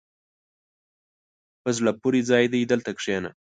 په زړه پورې ځای دی، دلته کښېنه.